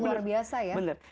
luar biasa ya